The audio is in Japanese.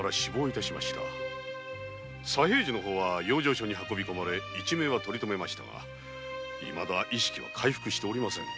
佐平次は小石川養生所に運ばれ一命はとりとめましたがいまだに意識は回復しておりません。